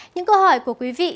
những câu hỏi của quý vị